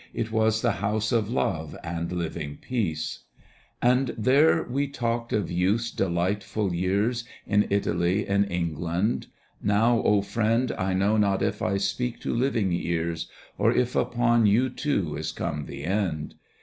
It was the house of love and living peace. And there we talked of youth's delightful years In Italy, in England. Now, O Friend, I know not if I speak to living ears Or if upon you too is come the end.